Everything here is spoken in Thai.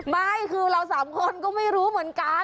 ไม่คือเราสามคนก็ไม่รู้เหมือนกัน